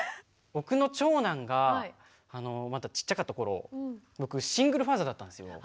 僕の長男がまだちっちゃかった頃僕シングルファーザーだったんですよ。